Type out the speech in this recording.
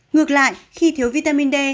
ngược lại khi thiếu vitamin d